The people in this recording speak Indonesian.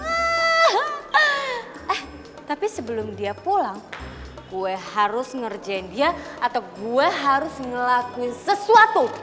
eh tapi sebelum dia pulang gue harus ngerjain dia atau gue harus ngelakuin sesuatu